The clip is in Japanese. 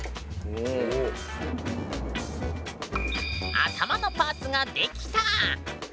頭のパーツが出来た。